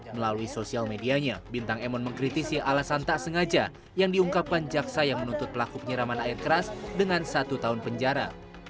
melalui sosial medianya bintang emon mengkritisi alasan tak sengaja yang diungkapkan jaksa yang menuntut pelaku penyiraman air keras dengan satu tahun penjara